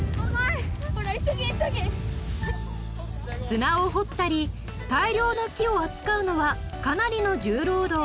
砂を掘ったり大量の木を扱うのはかなりの重労働。